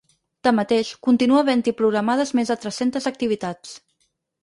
Tanmateix, continua havent-hi programades més de tres-centes activitats.